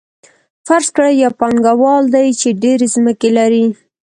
فرض کړئ یو پانګوال دی چې ډېرې ځمکې لري